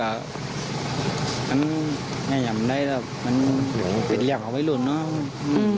ก็ยังไม่ได้ล่ะมันเป็นเรื่องวัยรุ่นเนอะ